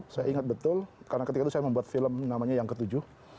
saya ingat betul karena ketika itu saya membuat film namanya yang ketujuh